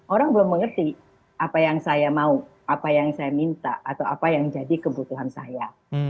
orang belum mengerti apa yang saya mau apa yang saya minta atau apa yang jadi kebutuhan saya